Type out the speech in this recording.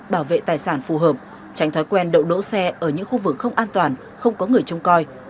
bảo vệ tài sản phù hợp tránh thói quen đậu đỗ xe ở những khu vực không an toàn không có người trông coi